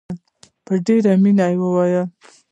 په ډېره مینه یې وویل.